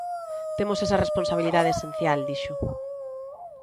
"Temos esa responsabilidade esencial", dixo.